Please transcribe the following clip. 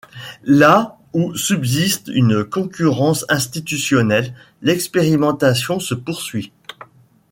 Là où subsiste une concurrence institutionnelle, l’expérimentation se poursuit.